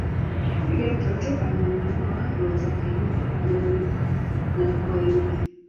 "Yule mtoto amemuuma mwenzake, yule ameumwa na mbwa yule…"